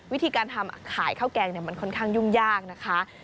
วิธีการทำขายข้าวแกงมันค่อนข้างยุ่งยากนะคะ